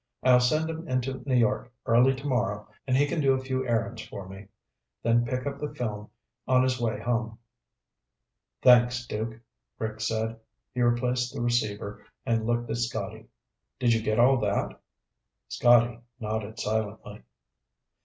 I'll send him into New York early tomorrow and he can do a few errands for me, then pick up the film on his way home." "Thanks, Duke," Rick said. He replaced the receiver and looked at Scotty. "Did you get all that?" Scotty nodded silently.